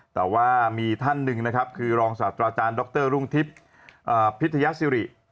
แต่ว่ามีท่านหนึ่งนะครับคือรองศาสตราจารย์ดรรุ่งทิพย์พิทยาศิริ